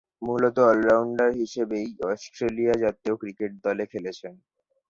মূলতঃ অল-রাউন্ডার হিসেবেই অস্ট্রেলিয়া জাতীয় ক্রিকেট দলে খেলছেন।